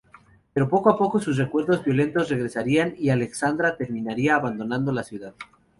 Pero, poco a poco, sus recuerdos violentos regresarían y Alexandra terminaría abandonando la ciudad.